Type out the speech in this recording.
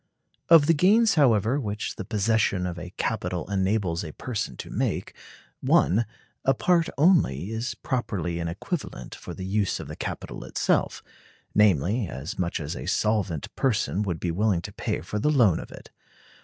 Of the gains, however, which the possession of a capital enables a person to make, (1) a part only is properly an equivalent for the use of the capital itself; namely, as much as a solvent person would be willing to pay for the loan of it.